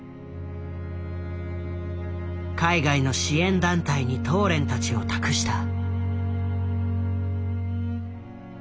海外の支援団体にトーレンたちを託した。